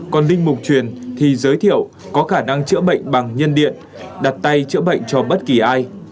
còn linh mục truyền thì giới thiệu có khả năng chữa bệnh bằng nhân điện đặt tay chữa bệnh cho bất kỳ ai